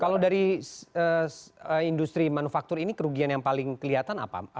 kalau dari industri manufaktur ini kerugian yang paling kelihatan apa